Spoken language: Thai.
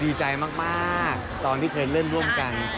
ดีใจมากตอนที่เคยเล่นร่วมกัน